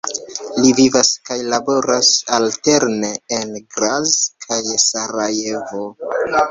Li vivas kaj laboras alterne en Graz kaj Sarajevo.